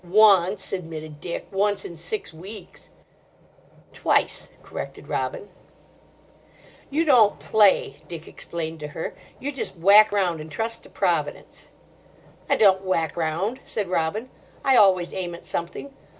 "Once," admitted Dick—"once in six weeks." "Twice," corrected Robin. "You don't play," Dick explained to her; "you just whack round and trust to Providence." "I don't whack round," said Robin; "I always aim at something.